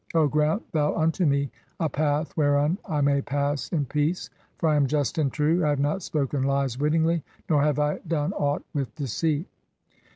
3 (10) O grant thou unto me a path whereon I may "pass in peace, for I am just and true ; I have not spoken lies "wittingly, nor have I done aught with deceit."